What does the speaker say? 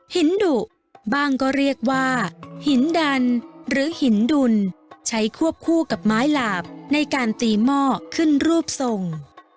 หินดุบ้างก็เรียกว่าหินดันหรือหินดุลใช้ควบคู่กับไม้หลาบในการตีหม้อขึ้นรูปทรง